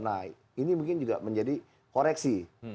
nah ini mungkin juga menjadi koreksi